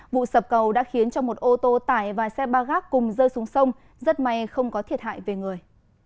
vụ sập cầu đã khiến cho một ô tô tải và xe ba gác cùng rơi xuống sông rất may không có thiệt hại về người